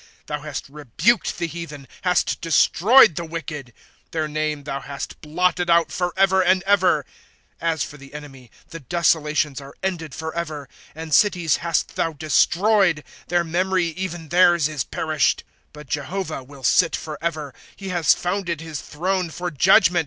^ Thou hast rebuked the heathen, hast destroyed the wicked • Their name thou hast blotted out forever and ever. ^ As for the enemy, the desolations are ended forever ; And cities hast thou destroyed ; their memory, even theirs, is perished, "' But Jehovah will sit forever ; He has founded his throne for judgment.